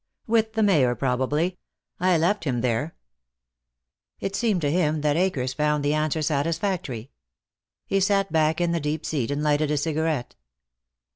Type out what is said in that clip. "With the Mayor, probably. I left him there." It seemed to him that Akers found the answer satisfactory. He sat back in the deep seat, and lighted a cigarette.